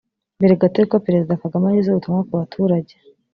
Mbere gato y’uko Perezida Kagame ageza ubutumwa ku baturage